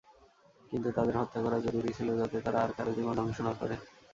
কিন্তু তাদের হত্যা করা জরুরি ছিল যাতে তারা আর কারো জীবন ধ্বংস না করে।